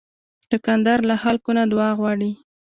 دوکاندار له خلکو نه دعا غواړي.